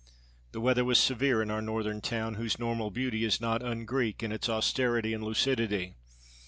The weather was severe in our northern town whose normal beauty is not un Greek in its austerity and lucidity.